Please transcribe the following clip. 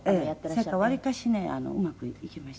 せやからわりかしねうまくいきましたね。